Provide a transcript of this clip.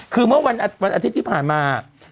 คือเมื่อวันอาทิตย์ที่ผ่านมา